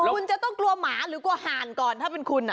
คุณจะต้องกลัวหมาหรือกลัวห่านก่อนถ้าเป็นคุณ